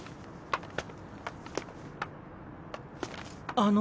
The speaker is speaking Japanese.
あの。